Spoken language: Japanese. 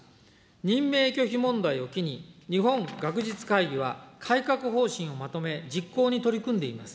任命拒否問題を機に、日本学術会議は改革方針をまとめ、実行に取り組んでいます。